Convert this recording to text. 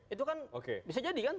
itu kan bisa jadi kan